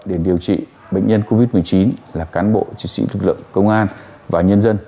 để điều trị bệnh nhân covid một mươi chín là cán bộ chiến sĩ lực lượng công an và nhân dân